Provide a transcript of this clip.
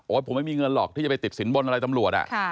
ผมไม่มีเงินหรอกที่จะไปติดสินบนอะไรตำรวจ